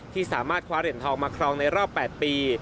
ที่สามารถคว้าเหรียญทองมาครองในรอบ๘ปี